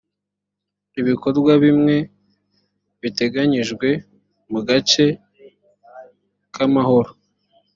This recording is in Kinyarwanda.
ibikorwa bimwe biteganyijwe mu gace kamahoro.